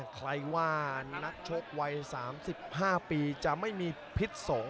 ใครว่านักชกวัย๓๕ปีจะไม่มีพิษสงฆ